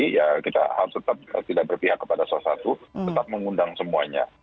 ya kita harus tetap tidak berpihak kepada salah satu tetap mengundang semuanya